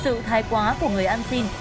sự thay quá của người ăn xin